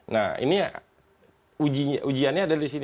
nah ini ujiannya ada di sini